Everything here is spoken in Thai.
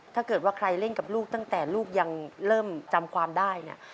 ถ้าเกิดว่าใครเล่นกับลูกตั้งแต่ลูกยังเริ่มจำความได้เนี่ย